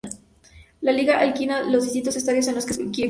La liga alquila los distintos estadios en los que los equipos juegan.